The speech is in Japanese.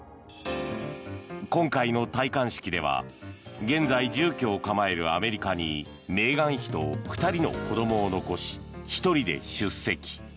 今回の戴冠式では現在、住居を構えるアメリカにメーガン妃と２人の子供を残し１人で出席。